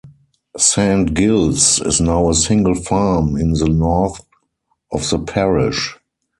Saint Giles is now a single farm in the north of the parish.